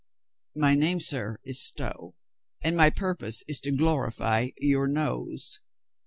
"My name, sir, is Stow, and my purpose is to glorify your nose.